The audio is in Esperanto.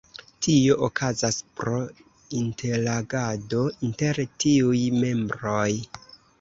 Tio okazas pro interagado inter tiuj membroj.